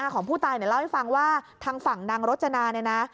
ของผู้ตายเนี่ยเล่าให้ฟังว่าทางฝั่งนางรจนาเนี่ยนะ